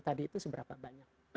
jadi tadi itu seberapa banyak